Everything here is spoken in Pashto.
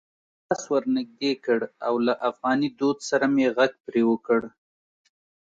ما لاس ور نږدې کړ او له افغاني دود سره مې غږ پرې وکړ: